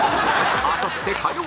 あさって火曜